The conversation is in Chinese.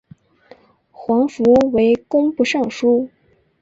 黄福为工部尚书。